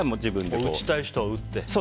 打ちたい人は打って。